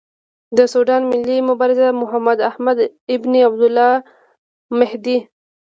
د سوډان ملي مبارز محمداحمد ابن عبدالله المهدي.